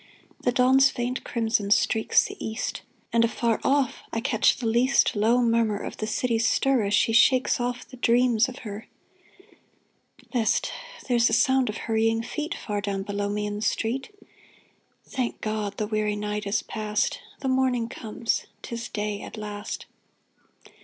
The dawn's faint crimson streaks the east, And, afar off, I catch the least Low murmur of the city's stir As she shakes off the dreams of her ! List ! there's a sound of hurrying feet Far down below me in the street. Thank God ! the weary night is past. The morning comes — 'tis day at last.